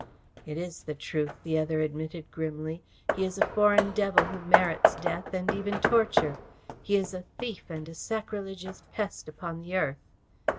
"It is the truth," the other admitted grimly. "He is a foreign devil who merits death and even torture. He is a thief and a sacrilegious pest upon the earth."